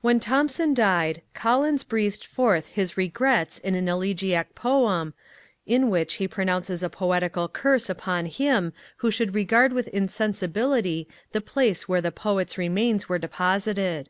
When Thomson died, Collins breathed forth his regrets in an Elegiac Poem, in which he pronounces a poetical curse upon him who should regard with insensibility the place where the Poet's remains were deposited.